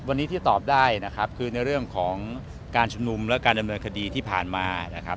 วันนี้ที่ตอบได้นะครับคือในเรื่องของการชุมนุมและการดำเนินคดีที่ผ่านมานะครับ